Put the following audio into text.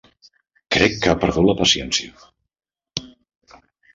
Crec que ha perdut la paciència.